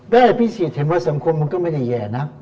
ได้อภิษฐฯเห็นว่าสมควรมันก็ไม่ได้แย่นะ